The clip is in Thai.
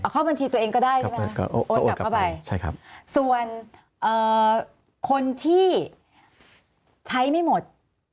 เข้าบัญชีตัวเองก็ได้ใช่ไหมโอนกลับเข้าไปส่วนคนที่ใช้ไม่หมด